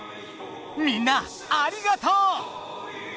みんなありがとう！